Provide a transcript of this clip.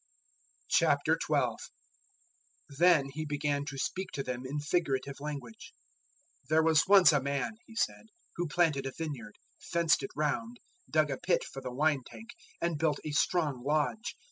012:001 Then He began to speak to them in figurative language. "There was once a man," He said, "who planted a vineyard, fenced it round, dug a pit for the wine tank, and built a strong lodge.